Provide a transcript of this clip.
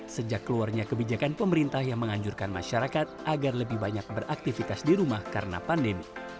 sejak keluarnya kebijakan pemerintah yang menganjurkan masyarakat agar lebih banyak beraktivitas di rumah karena pandemi